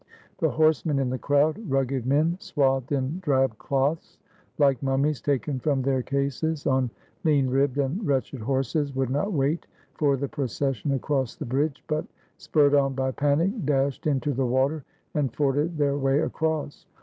The horsemen in the crowd — rugged men swathed in drab cloths like mummies taken from their cases, on lean ribbed and wretched horses — would not wait for the procession across the bridge, but, spurred on by panic, dashed into the water and forded their way across.